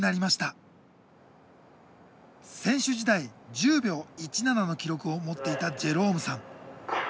選手時代１０秒１７の記録を持っていたジェロームさん。